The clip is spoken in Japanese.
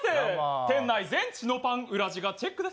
店内全チノパン、裏地がチェックです。